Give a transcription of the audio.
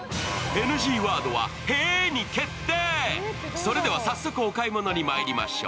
それでは早速お買い物にまいりましょう。